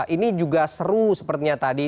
ini juga seru sepertinya tadi